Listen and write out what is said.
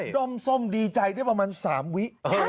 ด้มส้มดีใจได้ประมาณ๓วิ